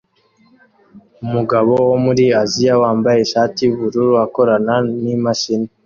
Umugabo wo muri Aziya wambaye ishati yubururu akorana nimashini